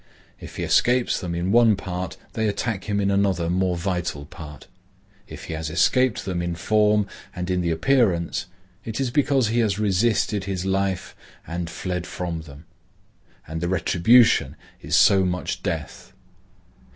If he escapes them in one part they attack him in another more vital part. If he has escaped them in form and in the appearance, it is because he has resisted his life and fled from himself, and the retribution is so much death.